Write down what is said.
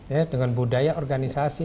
ya dengan budaya organisasi